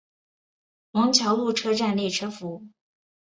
王桥路车站列车服务。